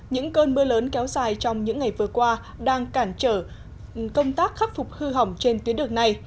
những cơn mưa lớn kéo dài trong những ngày vừa qua đang cản trở công tác khắc phục hư hỏng trên tuyến đường này